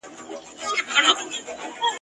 د چا درمان وسو ارمان پوره سو !.